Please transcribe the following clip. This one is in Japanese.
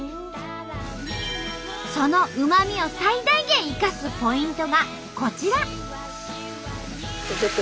そのうま味を最大限生かすポイントがこちら。